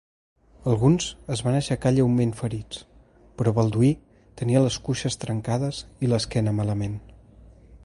Alguns es van aixecar lleument ferits, però Balduí tenia les cuixes trencades i l'esquena malament.